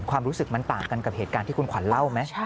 ความรู้สึกมันต่างกันกับเหตุการณ์ที่คุณขวัญเล่าไหม